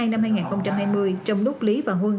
năm hai nghìn hai mươi trong lúc lý và huân